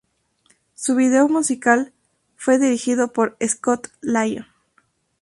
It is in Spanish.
Su video musical fue dirigido por "Scott Lyon".